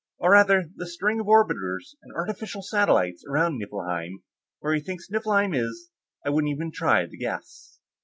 "Or, rather, the string of orbiters and artificial satellites around Niflheim. Where he thinks Niflheim is, I wouldn't even try to guess."